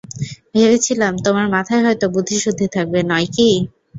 ভেবেছিলাম, তোমার মাথায় হয়তো বুদ্ধিসুদ্ধি থাকবে, নয় কি?